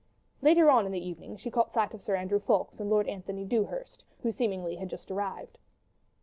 Later on in the evening she caught sight of Sir Andrew Ffoulkes and Lord Antony Dewhurst, who seemingly had just arrived.